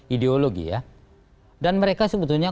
ideologi ya dan mereka sebetulnya